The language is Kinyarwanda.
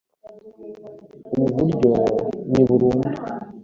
Ubu buryo ni burundu